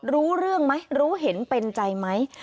รู้เรื่องไหมรู้เห็นเป็นใจไหม